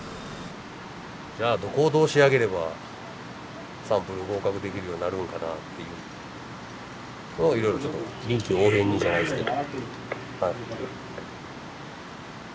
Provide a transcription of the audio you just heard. じゃあどこをどう仕上げればサンプル合格できるようになるのかなっていうのをいろいろちょっと臨機応変にじゃないですけど。